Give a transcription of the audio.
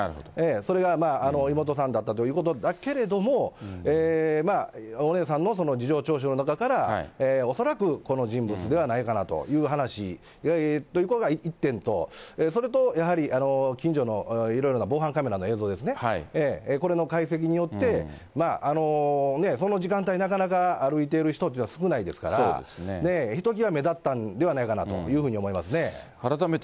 それが妹さんだったということだけれども、お姉さんの事情聴取の中から、恐らくこの人物ではないかなという話ということが一点と、それから近所のいろいろな防犯カメラの映像ですね、これの解析によって、その時間帯になかなか歩いている人というのは少ないですから、ひときわ目立ったんではないかなというふうに思いますね。